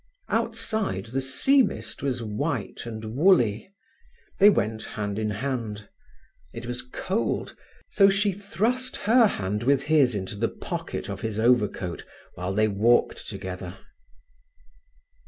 Outside, the sea mist was white and woolly. They went hand in hand. It was cold, so she thrust her hand with his into the pocket of his overcoat, while they walked together.